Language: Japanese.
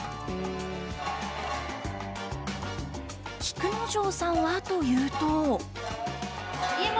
菊之丞さんはというと。